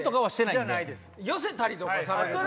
寄せたりとかされると。